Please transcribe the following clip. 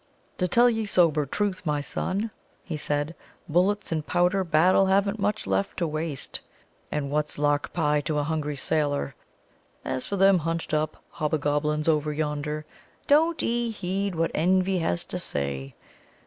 "To tell ye sober truth, my son," he said, "bullets and powder Battle haven't much left to waste. And what's lark pie to a hungry sailor! As for them hunched up hobbagoblins over yonder, don't 'ee heed what envy has to say.